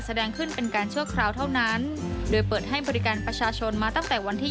แสดงขึ้นเป็นการชั่วคราวเท่านั้นโดยเปิดให้บริการประชาชนมาตั้งแต่วันที่๒